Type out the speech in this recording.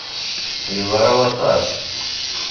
Yeḍra waṭas!